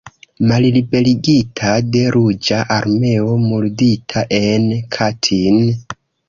Malliberigita de Ruĝa Armeo, murdita en Katin.